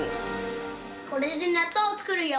これでなっとうをつくるよ！